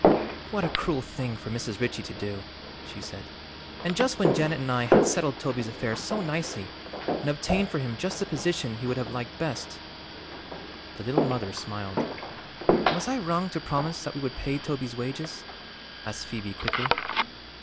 "What a cruel thing for Mrs. Ritchie to do!" she said. "And just when Janet and I had settled Toby's affairs so nicely and obtained for him just the position he would have liked best." The Little Mother smiled. "Was I wrong to promise that we would pay Toby's wages?" asked Phoebe quickly.